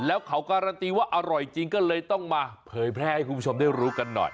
แล้วเขาการันตีว่าอร่อยจริงก็เลยต้องมาเผยแพร่ให้คุณผู้ชมได้รู้กันหน่อย